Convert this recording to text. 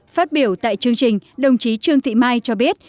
phát biểu tại chương trình đồng chí trương thị mai cho biết